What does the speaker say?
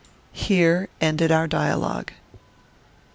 Here ended our dialogue.